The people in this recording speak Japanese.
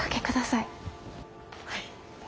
はい。